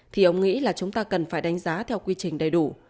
thì ông nghĩ là chúng ta cần phải đánh giá theo quy trình đầy đủ